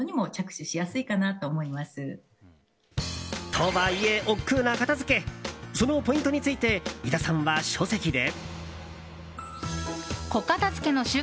とはいえ、おっくうな片付けそのポイントについて井田さんは書籍で。